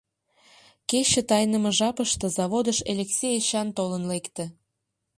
Кече тайныме жапыште заводыш Элексей Эчан толын лекте.